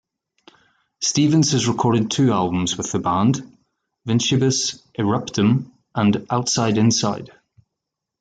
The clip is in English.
Stephens has recorded two albums with the band, "Vincebus Eruptum" and "Outsideinside".